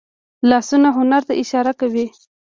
لاسونه هنر ته اشاره کوي